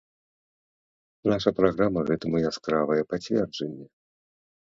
Наша праграма гэтаму яскравае пацверджанне.